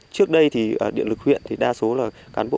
trước đây thì ở điện lực huyện thì đa số là cán bộ